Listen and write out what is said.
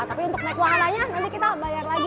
tapi untuk naik wahananya nanti kita bayar lagi